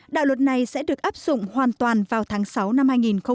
đạo luật này sẽ được áp dụng hoàn toàn vào tháng sáu năm hai nghìn một mươi bảy